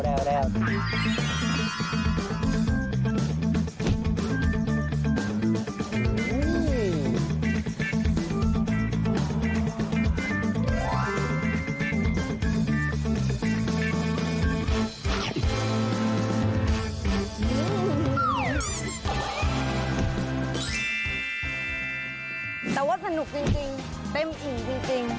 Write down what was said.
แต่ว่าสนุกจริงเต็มอิ่มจริง